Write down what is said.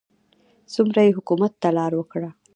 څومره یې حکومت ته لار وکړه.